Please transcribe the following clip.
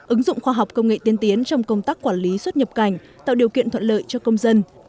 ứng dụng khoa học công nghệ tiên tiến trong công tác quản lý xuất nhập cảnh tạo điều kiện thuận lợi cho công dân